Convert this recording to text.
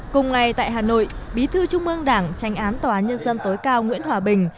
cùng ngày tại hà nội bí thư trung ương đảng tranh án tòa án nhân dân tối cao nguyễn hòa bình